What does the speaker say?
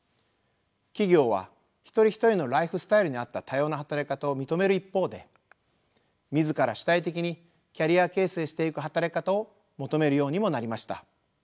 企業は一人一人のライフスタイルに合った多様な働き方を認める一方で自ら主体的にキャリア形成していく働き方を求めるようにもなりました。